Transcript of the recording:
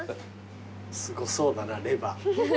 すごそうだなレバー。